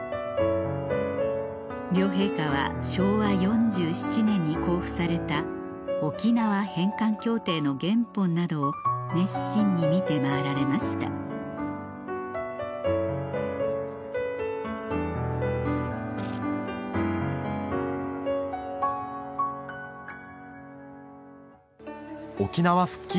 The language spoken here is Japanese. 両陛下は昭和４７年に公布された沖縄返還協定の原本などを熱心に見て回られました沖縄復帰